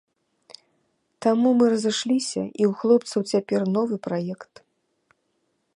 Таму мы разышліся і ў хлопцаў цяпер новы праект.